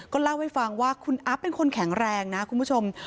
เล่าให้ฟังว่าคุณอัพเป็นคนแข็งแรงนะคุณผู้ชม